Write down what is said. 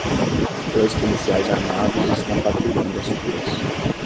Dois policiais armados estão patrulhando as ruas.